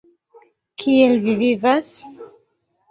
Kiel vi vivas?